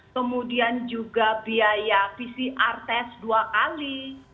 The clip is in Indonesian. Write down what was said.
kemudian juga biaya pcr test dua kali